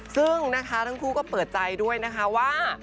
ซึ่งนะคะทั้งคู่ก็เปิดใจด้วยนะคะว่า